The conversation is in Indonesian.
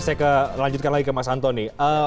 saya lanjutkan lagi ke mas antoni